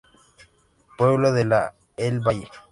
Pueblo de la de El Valle.